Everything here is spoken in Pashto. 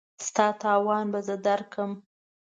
ستا تاوان به زه درکړم.